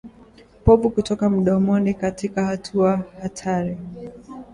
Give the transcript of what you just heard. Povu kutoka mdomoni katika hatua hatari